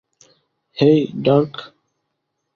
হেই, dark.